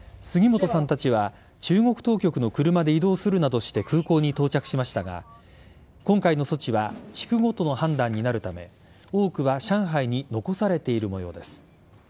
杉本さんたちは中国当局の車で移動するなどして空港に到着しましたが今回の措置は地区ごとの判断になるため多くは上海に残されている模様です。